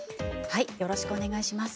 よろしくお願いします。